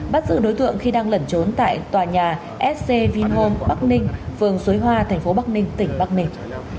bắt giữ đối tượng khi đang lẩn trốn tại tòa nhà sc vinhome bắc ninh phường suối hoa thành phố bắc ninh tỉnh bắc ninh